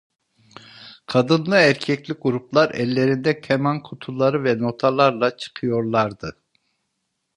Kadınlı erkekli gruplar, ellerinde keman kutuları ve notalarla çıkıyorlardı.